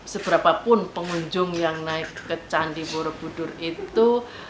seberapapun pengunjung yang naik ke candi borobudur itu